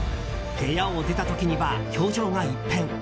部屋を出た時には表情が一変。